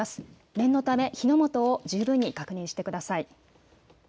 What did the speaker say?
念のため火の元を十分に確認してください。